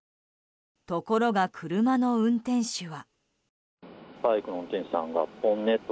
ところが、車の運転手は。